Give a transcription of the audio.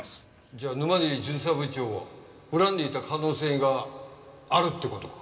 「じゃあ沼尻巡査部長を恨んでいた可能性があるって事か？」